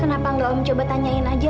kenapa gak om coba tanyain aja